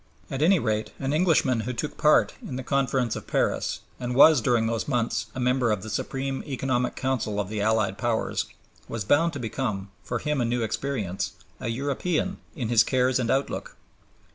At any rate an Englishman who took part in the Conference of Paris and was during those months a member of the Supreme Economic Council of the Allied Powers, was bound to become, for him a new experience, a European in his cares and outlook.